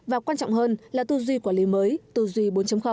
và quan trọng hơn là tư duy quản lý mới tư duy bốn